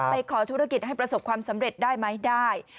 ขอธุรกิจให้ประสบความสำเร็จได้ไหมได้